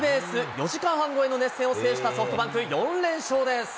４時間半超えの熱戦を制したソフトバンク４連勝です。